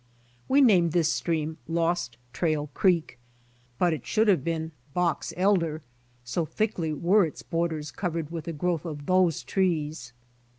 We named this stream, " Lost Trail creek," but it should have been "Box Elder," so thickly were its borders covered with a growth of those trees.